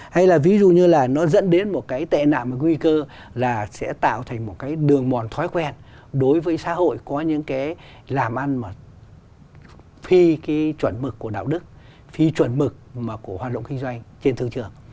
hay là ví dụ như là nó dẫn đến một cái tệ nạm và nguy cơ là sẽ tạo thành một cái đường mòn thói quen đối với xã hội có những cái làm ăn phi cái chuẩn mực của đạo đức phi chuẩn mực của hoạt động kinh doanh trên thương trường